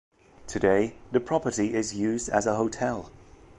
Today, the property is used as a hotel.